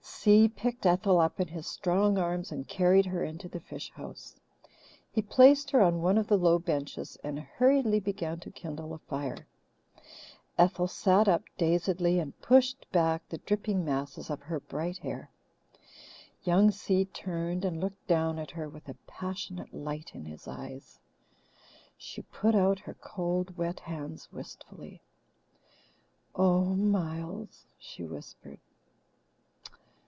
Si picked Ethel up in his strong arms and carried her into the fish house. He placed her on one of the low benches and hurriedly began to kindle a fire. Ethel sat up dazedly and pushed back the dripping masses of her bright hair. Young Si turned and looked down at her with a passionate light in his eyes. She put out her cold, wet hands wistfully. "Oh, Miles!" she whispered.